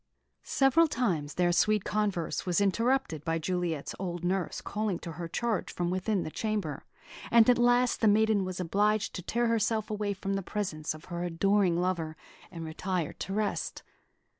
Several times their sweet converse was interrupted by Juliet's old nurse calling to her charge from within the chamber; and at last the maiden was obliged to tear herself away from the presence of her adoring lover, and retire to rest.